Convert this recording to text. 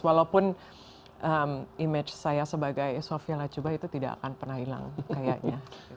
walaupun image saya sebagai sofia lachuba itu tidak akan pernah hilang kayaknya